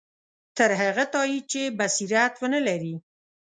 تر هغه تایید چې بصیرت ونه لري.